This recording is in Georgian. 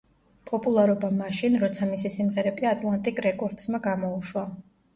პოპულარობა მაშინ, როცა მისი სიმღერები „ატლანტიკ რეკორდსმა“ გამოუშვა.